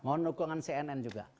mohon dukungan cnn juga